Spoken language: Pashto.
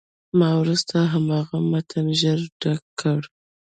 ما وروسته هماغه متن ژر درک کړ.